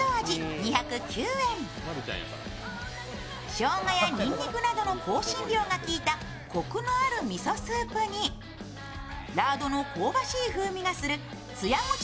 しょうがやにんにくなどの香辛料が効いたこくのあるみそスープにラードの香ばしい香りがするつやもち